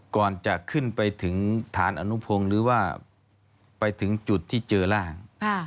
ก่อนจะขึ้นไปถึงฐานอนุพงศ์หรือว่าไปถึงจุดที่เจอร่าง